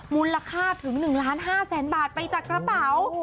มูลค่าถึง๑ล้าน๕แสนบาทไปจากกระเป๋า